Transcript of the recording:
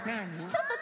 ちょっと？